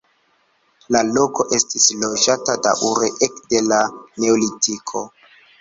La loko estis loĝata daŭre ekde la neolitiko.